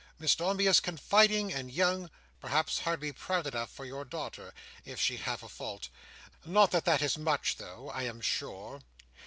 Miss Dombey is confiding and young—perhaps hardly proud enough, for your daughter—if she have a fault. Not that that is much though, I am sure.